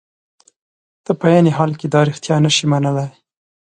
ته په عین حال کې دا رښتیا نشې منلای.